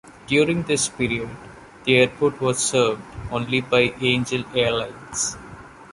During this period, the airport was served only by Angel Airlines.